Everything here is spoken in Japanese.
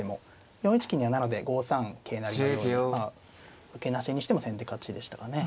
４一金にはなので５三桂成のように受けなしにしても先手勝ちでしたかね。